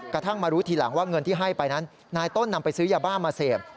กระทั่งมารู้ทีหลังว่าเงินที่ให้ไปนั้นนายต้นนำไปซื้อยาบ้ามาเสพ